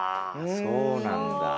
そうなんだ。